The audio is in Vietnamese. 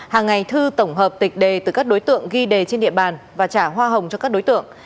hàng ngày thư tổng hợp tịch đề từ các đối tượng ghi đề trên địa bàn và trả hoa hồng cho các đối tượng